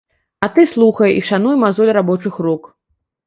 А ты слухай і шануй мазоль рабочых рук.